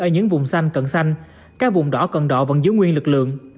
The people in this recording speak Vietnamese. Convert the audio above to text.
ở những vùng xanh cận xanh các vùng đỏ cận đỏ vẫn giữ nguyên lực lượng